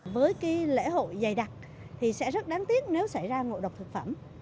với cái lễ hội dày đặc thì sẽ rất đáng tiếc nếu xảy ra ngộ độc thực phẩm